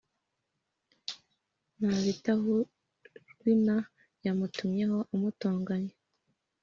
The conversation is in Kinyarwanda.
na bitahurwina yamutumyeho amutonganya